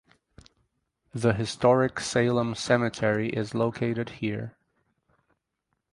The historic Salem cemetery is located here.